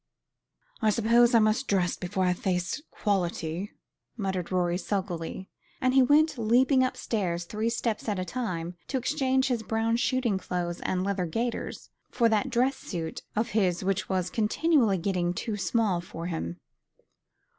"I suppose I must dress before I face the quality," muttered Rorie sulkily, and he went leaping upstairs three steps at a time to exchange his brown shooting clothes and leather gaiters for that dress suit of his which was continually getting too small for him.